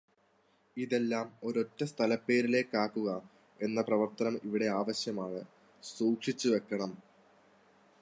ഇതെല്ലാം ഒരൊറ്റ സ്ഥലപ്പേരിലേക്കാക്കുക എന്ന പ്രവർത്തനം ഇവിടെ ആവശ്യമാണ്, സൂക്ഷിച്ചു വെക്കണം.